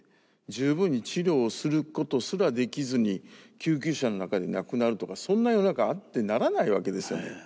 十分に治療をすることすらできずに救急車の中で亡くなるとかそんな世の中あってならないわけですよね。